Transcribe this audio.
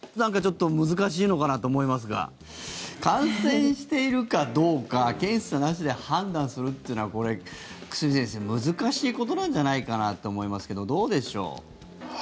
ちょっと難しいのかなと思いますが感染しているかどうか検査なしで判断するというのはこれ、久住先生難しいことなんじゃないかなって思いますけどどうでしょう？